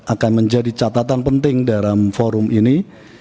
akan menjadi catatan penting dalam forum ini